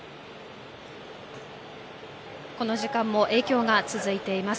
この時間も影響が続いています。